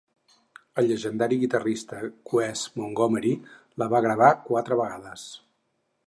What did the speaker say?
El llegendari guitarrista Wes Montgomery la va gravar quatre vegades.